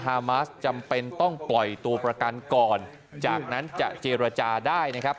ฮามาสจำเป็นต้องปล่อยตัวประกันก่อนจากนั้นจะเจรจาได้นะครับ